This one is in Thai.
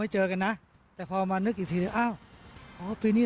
เจอกันนะแต่พอมานึกอีกทีหนึ่งอ้าวอ๋อปีนี้